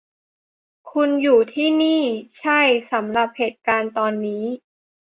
คุณอยู่ที่นี่ ใช่-สำหรับเหตุการณ์ตอนนี้